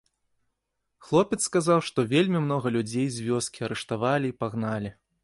Хлопец сказаў, што вельмі многа людзей з вёскі арыштавалі і пагналі.